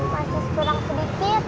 masih kurang sedikit